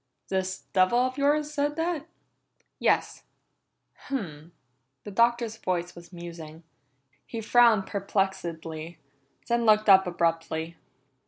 "This devil of yours said that?" "Yes." "Hum!" The Doctor's voice was musing. He frowned perplexedly, then looked up abruptly.